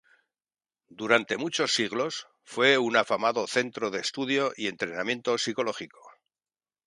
Durante muchos siglos, fue un afamado centro de estudio y entrenamiento psicológico.